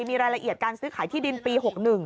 มีรายละเอียดการซื้อขายที่ดินปี๖๑